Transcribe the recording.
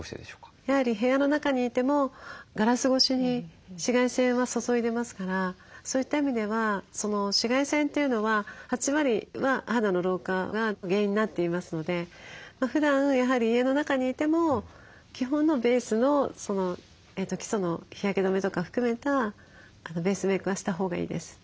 やはり部屋の中にいてもガラス越しに紫外線は注いでますからそういった意味では紫外線というのは８割は肌の老化原因になっていますのでふだんやはり家の中にいても基本のベースの基礎の日焼け止めとか含めたベースメークはしたほうがいいです。